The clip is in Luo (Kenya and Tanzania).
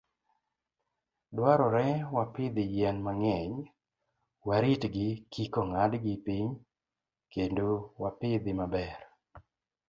Dwarore wapidh yien mang'eny, waritgi kik ong'adgi piny, kendo wapidhi maber.